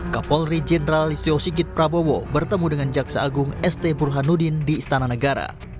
kapolri jenderal listio sigit prabowo bertemu dengan jaksa agung st burhanuddin di istana negara